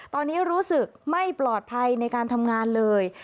ตอนนี้รู้สึกไม่ปลอดภัยในการทำงานเลย